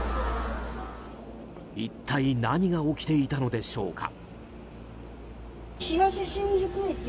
一体何が起きていたのでしょうか。